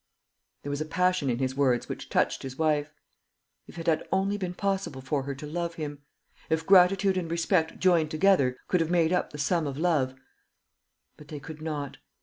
There was a passion in his words which touched his wife. If it had only been possible for her to love him! If gratitude and respect, joined together, could have made up the sum of love; but they could not.